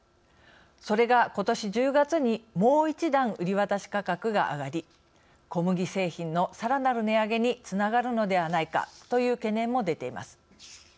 それがことし１０月にもう一段売り渡し価格が上がり小麦製品のさらなる値上げにつながるのではないかという懸念も出ています。